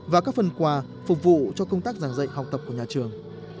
và các phần quà phục vụ cho công tác giảng dạy học tập của nhà trường